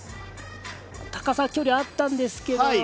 高さ、距離あったんですけど。